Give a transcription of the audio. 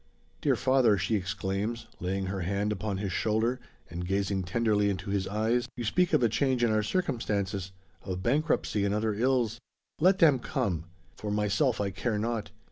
"Dear father!" she exclaims, laying her hand upon his shoulder, and gazing tenderly into his eyes; "you speak of a change in our circumstances of bankruptcy and other ills. Let them come! For myself I care not.